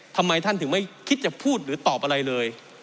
ทำไมท่านถึงไม่คิดจะพูดหรือตอบอะไรเลย